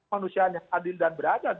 manusia yang adil dan beradab